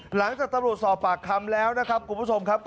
หลังจากตำรวจสอบปากคำแล้วนะครับคุณผู้ชมครับ